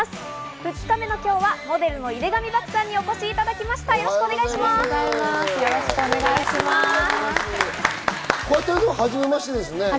２日目の今日はモデルの井手上漠さんにお越しいただきました。